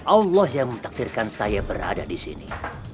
allah yang mentakdirkan saya berada disini